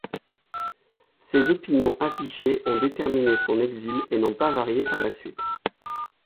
Ces opinions affichées ont déterminé son exil et n'ont pas varié par la suite.